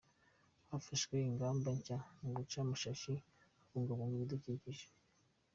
Hafashwe ingamba nshya mu guca amashashi habungabungwa ibidukikije